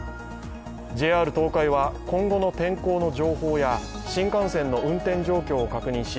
ＪＲ東海は今後の天候の情報や新幹線の運転状況を確認し